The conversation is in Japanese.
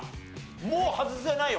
もう外せないよ